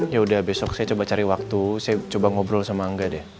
ya udah besok saya coba cari waktu saya coba ngobrol sama angga deh